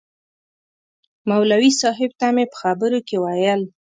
مولوي صاحب ته مې په خبرو کې ویل.